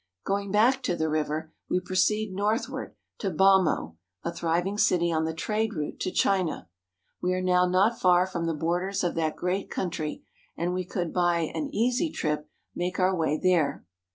Going back to the river, we proceed north ward to Bhamo (ba mo'), a thriving city on the trade route to China. We are now not far from the borders of that great country, and we could by an easy trip make our way there.